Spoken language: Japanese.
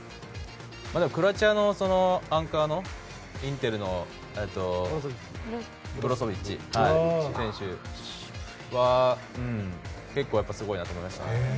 クロアチアのアンカーのインテルのブロソビッチ選手は結構、すごいなと思いましたね。